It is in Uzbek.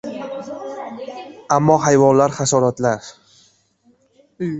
— Ammo, hayvonlar, hasharotlar...